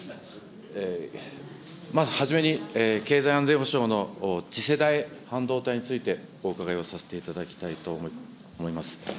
まずはじめに経済安全保障の次世代半導体についてお伺いをさせていただきたいと思います。